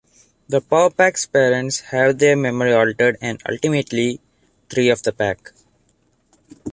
The Power Pack's parents have their memory altered and ultimately, three of the Pack.